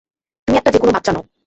তুমি একটা যে কোন বাচ্চা নও।